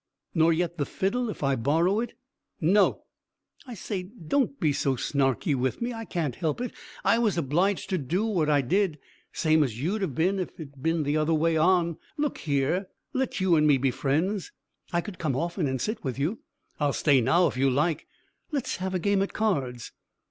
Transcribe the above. "Nor yet the fiddle, if I borrow it?" "No." "I say, don't be so snarky with me. I can't help it. I was obliged to do what I did, same as you'd have been if it had been t'other way on. Look here; let you and me be friends, and I could come often and sit with you. I'll stay now if you like. Let's have a game at cards."